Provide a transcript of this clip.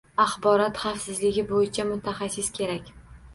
Axborot xavfsizligi bo'yicha mutaxassis kerak